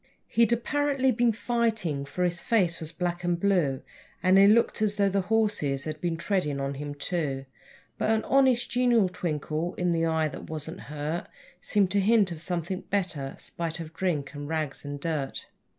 He'd apparently been fighting, for his face was black and blue, And he looked as though the horses had been treading on him, too; But an honest, genial twinkle in the eye that wasn't hurt Seemed to hint of something better, spite of drink and rags and dirt.